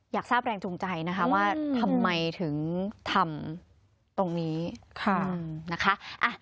อยากทราบแรงจูงใจนะคะว่าทำไมถึงทำตรงนี้นะคะ